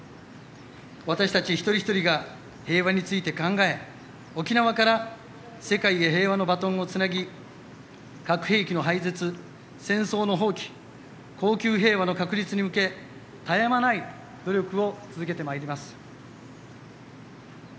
私たち一人一人が平和について考え沖縄から世界へ平和のバトンをつなぎ核兵器の廃絶、戦争の放棄恒久平和の確立に向け絶え間ない努力を続けてまいります。